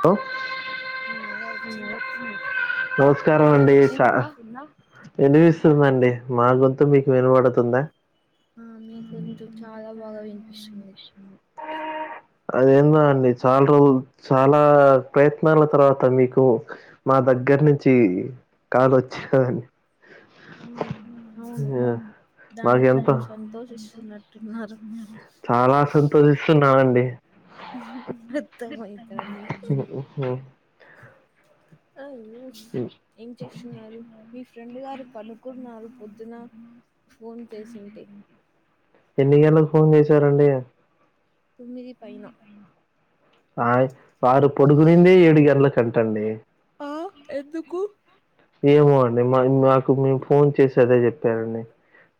Hello ఆ! మళ్ళ వచ్చింది. నమస్కారం అండి చ వినిపిస్తుందా? వినివిస్తుందండి మా గొంతు మీకు వినపడుతుందా ఆ మీ గొంతు చాలా బాగా వినిపిస్తుంది అదేందొ అండి చాలా రోజులు చాలా ప్రయత్నాల తర్వాత మీకు మా దగ్గర నుంచి కాల్ వచ్చినదని మ్ అవును ఆ, దానికి మాకెంతో మీరు సంతోషిస్తున్నట్టున్నారు చాలా సంతోషిస్తున్నావండి అత్త మయితాంది ఉహు. అయోచ్ ఏం చేస్తున్నారు మీ ఫ్రెండ్ గారు పనుకున్నారు పొద్దున ఫోన్ చేసింటే ఎన్నివేళకు ఫోన్ చేశారండి? తొమ్మిది పైన ఆ వాడు పొడుగునిందే ఏడు గంటల కంటండి ఆ ఎందుకు ఏమో అండి మా మాకు మేము ఫోన్ చేసి అదే చెప్పారండి.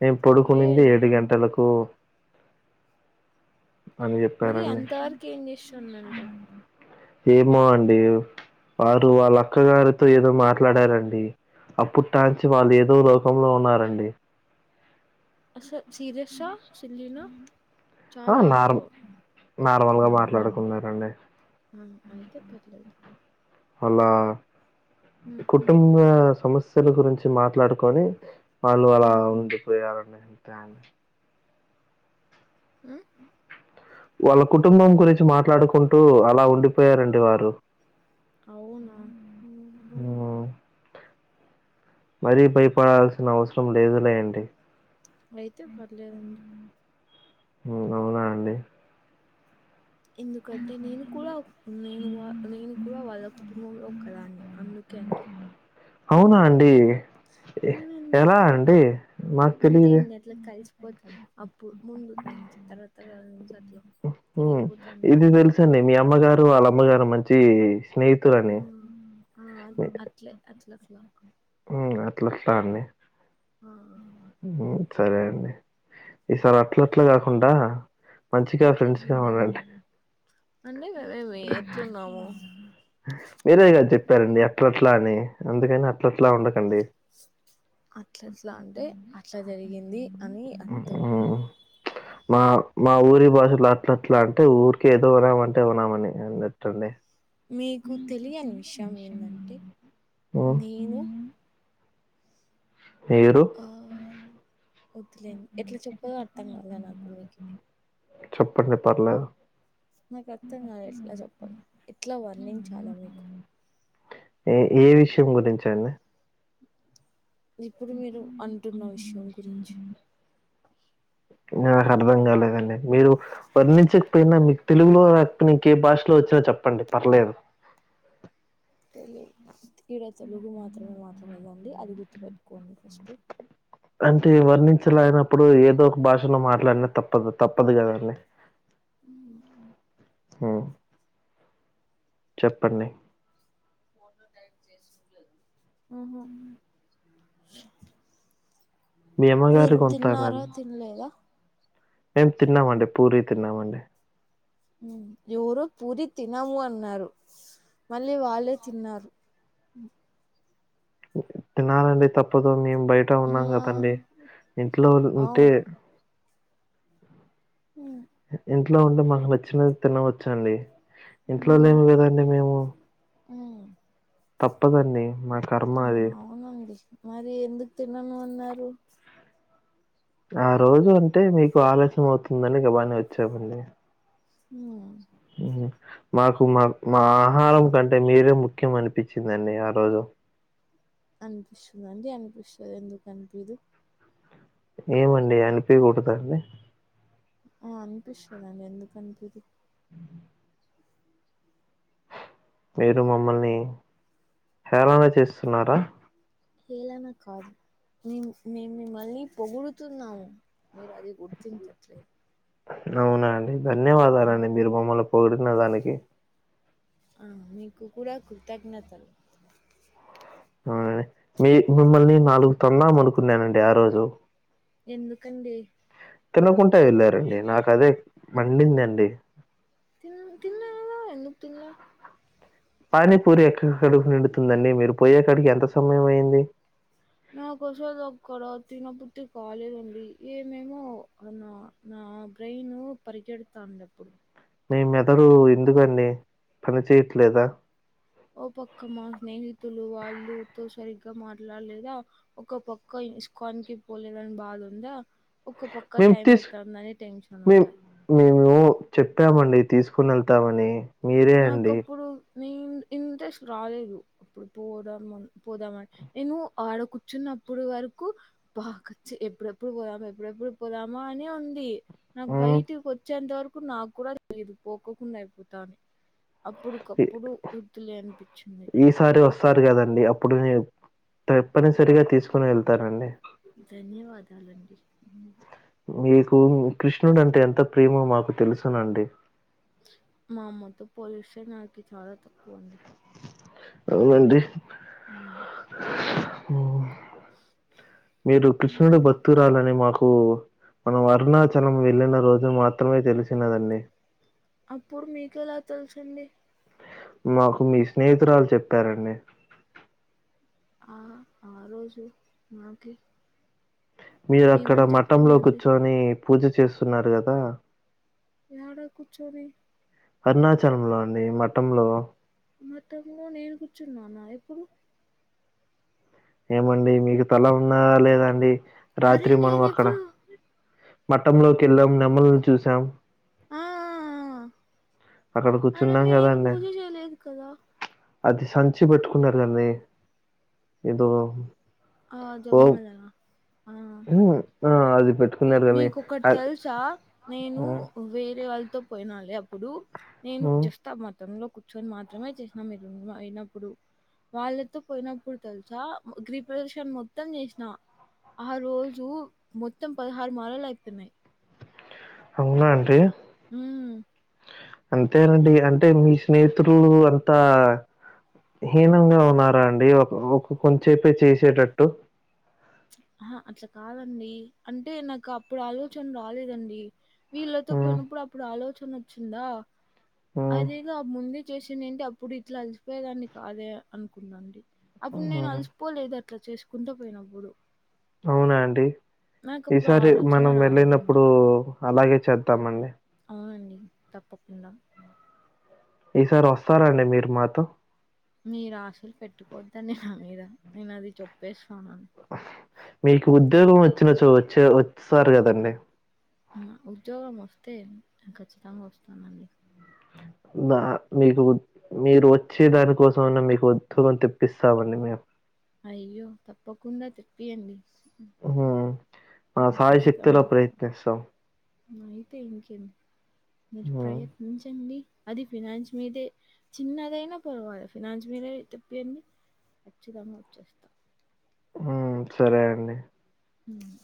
నేను పడుకునిందే అయ్యయ్యో! ఏడు గంటలకు అని మరి చెప్పారండి. అంత వరకు ఏం చేస్తుందంట? ఏమో అండి వారు వాళ్ళ అక్కగారితో ఏదో మాట్లాడారం డి అప్పుడు టాంచి వాళ్ళు ఏదో లోకంలో ఉన్నారండి. అసలు సిరీసా, సిల్లీనా? ఆ! చాలా నార్మ్ నార్మల్‌గా కఠినము, మాట్లాడుకున్నారండి. ఉమ్ అయితే పర్లేదు అలా హ్మ్. కుటుంబ సమస్యల గురించి మాట్లాడుకొని వాళ్ళు అలా హ్మ్. ఉండిపోయారని అంతే అండి ఉమ్ వాళ్లు కుటుంబం గురించి మాట్లాడుకుంటూ అలా ఉండిపోయారండి వారు. అవునా ఉహు హ్మ్. మరీ భయపడాల్సిన అవసరం లేదులే అండి. అయితే పర్లేదండి. ఉమ్ అవునా అండి ఎందుకంటే నేను కూడా నేను వా నేను కూడా వాళ్ళ కుటుంబంలో ఒకదాన్ని. అందుకే అండి అవునా అండి, ఎ అవునండి. ఎలా అండి, మాకు తెలిదే? అట్ల కల్సి పోతం అప్పుడు ముందు నుంచి తర్వాత స ఇది తెలుసండి మీ అమ్మగారు, వాళ్ళమ్మగారు మంచి స్నేహి ఉమ్ అ అట్లే అట్లసలా ఉమ్ అట్ల అట్లా అండి, ఆ! ఉమ్ సరే అండి, ఈసారి అట్ల అట్లా కాకుండా మంచిగా ఫ్రెండ్స్ గా ఇట్లట్లుండాల ఉండండి. అంటే కదా నువ్వే ఏ ఎట్లున్నావో మీరే కాదు చెప్పారండి అట్లట్లా అని, అందుకని అట్లట్లా ఉండకండి. అట్లట్లా అంటే అట్లా జరిగింది అని అర్థం. హ్మ్. మా మా ఊరి భాషలొ అట్ల అట్లా అంటే ఊరికే ఏదో ఉన్నామంటే ఉన్నామని. అన్నట్టండి మీకు తెలియని విషయం ఏందంటే, ఉమ్, నేను మీరు ఆ వద్దులేండి, ఎట్ల చెప్పాల్లో అర్థం కాలే నాకు మీకీ చెప్పండి పర్లేదు నాకు అర్థంగాలే ఎట్లా చెప్పాలో, ఎట్ల వర్ణించాల మీకు ఏ ఏ విషయం గురించండి ఇప్పుడు మీరు అంటున్న విషయం గురించి నాకు అర్థం కాలేదండి, మీరు వర్ణించకపోయినా మీ తెలుగులో రకపోతే ఇంకె భాషలో వచ్చో చెప్పండి పర్లేదు. తెలుద్ అంతే ఈరోజు తెలుగు మాత్రమే మాట్లాడాలండి, అది గుర్తుపెట్టుకోండి ఫస్టు. అంటే వర్ణించలేనప్పుడు ఏదో ఒక భాషలో మాట్లాడిన తప్పదు తప్పదు కదండి. ఉమ్ ఉమ్ చెప్పండి మ్మ్ఉమ్మ్ మీ అమ్మగారు మీరు తిన్నారా తిన్లేదా మేం తిన్నామండి పూరి తిన్నామండి ఉమ్మ్ ఎవరో పూరి తినము అన్నారు మళ్ళీ వాళ్ళే తిన్నారు తినాలండి తప్పదు మేము బయట ఉన్నాం ఆ కదండి ఇంట్లో ఉంటే అవును ఉమ్మ్ ఇంట్లో ఉంటే మాకు నచ్చినది తినవచ్చు అండి ఇంట్లో లేము కదండి మేము ఉమ్మ్ తప్పదండి మా కర్మ అది అవునండి మరి ఎందుకు తినను అన్నారు ఆరోజు అంటే మీకు ఆలస్యం అవుతుందని గబని వచ్చామండి ఉమ్మ్ మ్మ్ఉమ్మ్ మాకు మా మా ఆహారం కంటే మీరే ముఖ్యం అనిపిచిందండి ఆరోజు అనిపిస్తుదండి అనిపిస్తాది ఎందుకు అనిపిదు ఏమండి అనిపియాకూడదండి ఆ అనిపిస్తుదండి ఎందుకు అనిపిదు అ మీరు మమ్మల్ని హేళన చేస్తున్నారా హేళన కాదు మేం మేము మిమ్మల్ని పొగుడుతున్నాము మీరు అది గుర్తించట్లే అవునా అండి ధన్యవాదాలండి మీరు మమ్మల్ని పొగుడుతున్న దానికి ఆ మీకు కూడా కృతజ్ఞతలు అవునండి మీ మిమ్మల్ని నాలుగు తొందాము అనుకున్నానండి ఆరోజు ఎందుకండి తినకుంటా ఎళ్ళారండి నాకు అదే మండిందండి తిన తిన్నా కదా ఎందుకు తిన్ల పానీపూరి ఎక్కడ కడుపు నిండుతుందండి మీరు పోయేసరికి ఎంత సమయం అయింది నాకు అసలు అక్కడ తినబుట్టి కాలేదండి ఏమేమో అన్నా నా బ్రెయిన్ పరిగెడుతాంది అప్పుడు మీ మెదడు ఎందుకండి పని చేయట్లేదా ఓ పక్క మా స్నేహితులు వాళ్ళుతో సరిగ్గా మాట్లాడలేదా ఒక పక్క ఇస్కాన్‌కి పోలేదని బాధుందా ఒక ప క్క మేము టైం తీసు అయితోందని టెన్షన్ ఉండ మేము మేము చెప్పామండి తీసుకుని ఎళ్తామని నాకప్పుడు నే ఇంట్రెస్ట్ రాలేదు అప్పుడు పోదాం అని పోదామని నేను ఆడ కూర్చున్నప్పుడు వరకు బకచ్చ ఎప్పుడెప్పుడు పోదము ఎప్పుడెప్పుడు పోదామా అని ఉంది నాకు మ్మ్ బయటికి వచ్చేంత వరకు నాక్కూడా తెలిదు పోకోకుండా అయిపోతా అని అప్పుడికప్పుడు వద్దులే అనిపిచింది సారి వస్తారు కదండి అప్పుడు నేను తప్పనిసరిగా తీసుకుని వెళ్తానండి ధన్యవాదాలండి ఉమ్ మీకు కృష్ణుడు అంటే ఎంత ప్రేమో మాకు తెలుసునండి మా అమ్మతో పోలిస్తే నాకి చాలా తక్కువండి అవునండి ఊ మీరు కృష్ణుడి హ్మ్. బత్తురాలని మాకు. మనం అరుణాచలం వెళ్ళిన రోజు మాత్రమే తెలిసినదండి. అప్పుడు మీకెలా తెలిసింది. మాకు మీ స్నేహితురాలు చెప్పారండి. ఆ ఆ రోజు మనకి. మీరు అక్కడ మఠంలో చెప్పిందండి? కూర్చొని పూజ చేస్తున్నారు కదా. యాడా కుర్చోని. అరుణాచలంలో అండి మఠంలో. మా తమ్ము నేను కూర్చున్నాన్న ఎప్పుడు. ఏమండి మీకు తల ఉన్నా లేదాండి అరే రాత్రి మనం అక్కడ. నేనెప్పుడు మఠంలోలోకి వెళ్ళాం నెమ్మలు చూసాం. ఆ! ఆ! అక్కడకుచ్చి ఆ రోజు నేను ఏం పూజ చేయలేదు కదా. అది సంచి పెట్టుకున్నారు కానీ ఏదో. ఆ ఓం జపమాలనా ఆ. హ్మ్. ఆ అది పెట్టు. మీకు ఒకటి తెలుసా నేను. హ్మ్. వేరే వాళ్ళతో పోయినాలే అప్పుడు నేను హ్మ్. జస్ట్ ఆ మత్. గతంలో కూర్చొని మాత్రమే చేసినా మీరు అయినప్పుడు. వాళ్ళతో పోయినప్పుడు తెలుసా గ్రిరి ప్రదిక్షనా మొత్తం చేసినా. ఆహా రోజు మొత్తం పదహారు మాలలు ఐతున్నాయి. అవునా ఆంటీ. ఉ. అంతేలేండి అంటే మీ స్నేహితులు అంతా. హీనంగా ఉన్నారా అండి ఒక ఒక కొంచసేపే చేసేటట్టు. ఆహా అట్లా కాదండి అంటే నాకు అప్పుడు ఆలోచన రాలేదండి. వీళ్ళతో హ్మ్. పోయినప్పుడు అప్పుడు ఆలోచన వచ్చిందా. హ్మ్. అదేదో ముందే చేసి ఉండుంటే అప్పుడు ఇట్లా అలిసిపోయేదాన్ని కాదే అనుకున్నానండి. అప్పుడు నేను హ్మ్. అలిసిపోలేదు అట్లా చేసుకుంటూ పోయినప్పుడు. అవునా అండి నాకప్పుడు ఈసారి ఆలోచన మనం రాలేదండి. వెళ్ళినప్పుడు అలాగే చేద్దామండి. అవునండి తప్పకుండా. ఈసారి వస్తారండి మీరు మాతో. మీరు ఆశలు పెట్టుకోవద్దండి నా మీద నేను అది చెప్పేస్తాన్నాను. మీకు ఉద్యోగం వచ్చినచో వచ్చే వస్తారు కదండి. ఉద్యోగం వస్తే నేన్ ఖచ్చితంగా వస్తానండి. అ మీకు మీరు వచ్చే దానికోసంన్న మీకు ఉద్యోగం తెప్పిస్తామండి మేము. అయ్యో తప్పకుండా తెప్పియ్యండి. హ్మ్. మా ఇప్పుడు ఖచ్చితంగా శాయశక్తులా అవ్వదు. ప్రయత్నిస్తాం. అయితే ఇంకేం మీరు హ్మ్. ప్రయత్నించండి అది ఫినాన్స్ మీదే. చిన్నదైనా పర్వాల ఫినాన్స్ మీరే తిప్పియ్యండి ఖచ్చితంగా వచ్చేస్తా. ఉ సరే అండి. హ్మ్.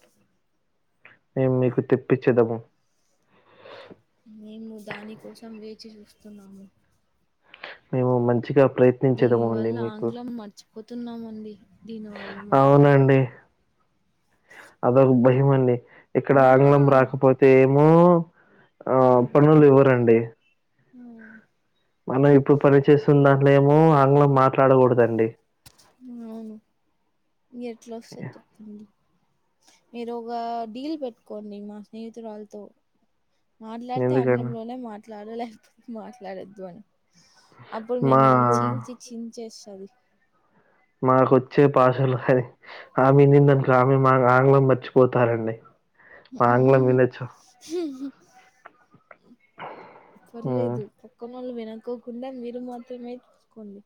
మేం మీకు తిప్పిచెదము. మేము దాని కోసం వేచి చూస్తున్నాము. మేము మంచిగా ప్రయ్ దీని వల్ల ఆంగ్లం మర్చిపోతున్నామండి దీనివల్ల మొత్తం. అవునండి. అదొక భయమండి ఇక్కడ ఆ! ఆంగ్లం రాకపోతే ఏమో ఆ పనులు ఇవ్వరండి ఉ మనం ఇప్పుడు పనిచేస్తున్న దాంట్లేమో ఆంగ్లం మాట్లాడకూడదండి. అవును ఏట్లోస్తాది చెప్ హ్ మీరు ఒక డీల్ పెట్టుకోండి మా స్నేహితురాలుతో మాట్లాడితే ఎందుకని ఆంగ్లంలోనే మాట్లాడు లేకపోతే మాట్లాడొద్దు అని. అప్పుడు మా మిమ్మల్ని చీల్చి చించేస్తరు మాకొచ్చే పాషలు కది ఆమె ఇనిందనుకో ఆమె మా ఆంగ్లం మర్చిపోతారండి మా ఆంగ్లం వినొచ్చు హ్మ్ పర్లేదు పక్కనోళ్లు వినకోకుండా మీరు మాత్రమే చూసుకోండి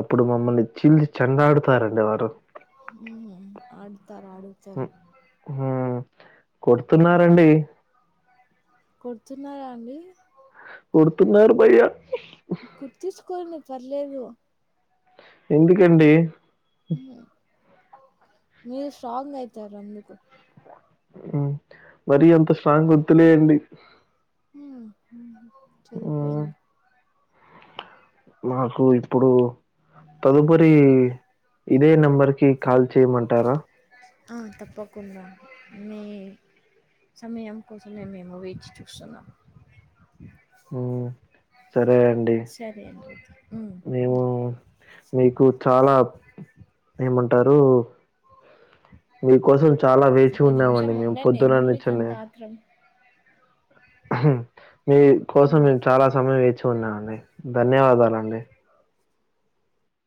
అప్పుడు మమ్మల్ని చీల్చి చెండుతారండి వారు ఉహు ఆడతారు ఆడు హా కొడుతున్నారండి కొడుతున్నారా అండి కొడుతున్నారు బయ్యా కొట్టిచ్చుకోండి పర్లేదు ఎందుకండి? హ్ మీరు స్ట్రాంగ్ అయితారు అందుకు హ్ మరీ అంత స్ట్రాంగ్ వద్దులేండి. ఉ ఉ చేయి పోయింది మాకు ఇప్పుడు తదుపరి ఇదే నెంబర్ కి కాల్ చేయమంటారా ఆ తప్పకుండా మీ సమయం కోసమే మేము వేచిచూస్తున్నాం ఉ సరే అండి సరే అండి ఉమ్ మేము మీకు చాలా ఏమంటారు మీకోసం చాలా వేచి ఉన్నామండి మేము పొద్దున నిచ్చెల్లె త్రం హు మీ కోసం మేము చాలా సమయం వేచి ఉన్నామండి ధన్యవాదాలండి